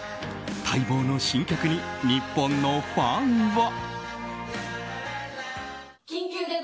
待望の新曲に日本のファンは。